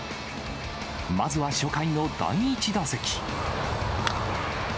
まずは初回の第１打席。